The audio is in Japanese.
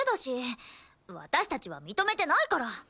私たちは認めてないから！